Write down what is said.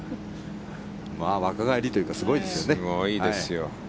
若返りというかすごいですよね。